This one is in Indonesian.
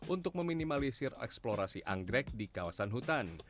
untuk meminimalisir eksplorasi anggrek di kawasan hutan